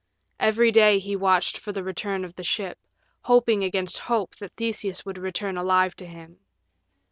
Every day he watched for the return of the ship, hoping against hope that Theseus would return alive to him.